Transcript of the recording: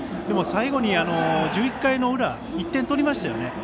でも、最後に１１回の裏１点取りましたよね。